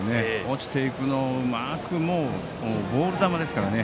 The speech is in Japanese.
落ちていくのを、うまくボール球ですからね。